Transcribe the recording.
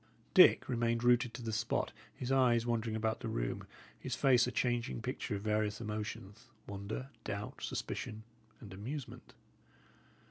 Dick remained rooted to the spot, his eyes wandering about the room, his face a changing picture of various emotions, wonder, doubt, suspicion, and amusement.